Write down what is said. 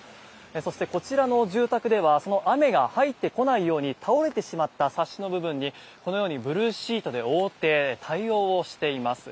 そしてこちらの住宅ではその雨が入ってこないように倒れてしまったサッシの部分にこのようにブルーシートで覆って対応をしています。